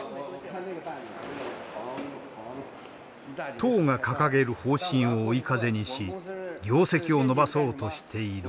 党が掲げる方針を追い風にし業績を伸ばそうとしている波。